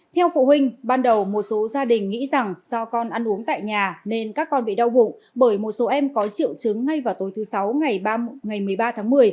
theo phụ huynh ban đầu một số gia đình nghĩ rằng do con ăn uống tại nhà nên các con bị đau bụng bởi một số em có triệu chứng ngay vào tối thứ sáu ngày một mươi ba tháng một mươi